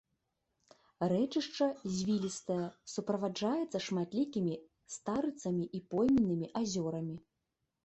Рэчышча звілістае, суправаджаецца шматлікімі старыцамі і пойменнымі азёрамі.